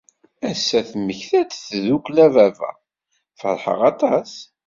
Ass-a temmekta-d tdukkla baba, ferḥeɣ aṭas.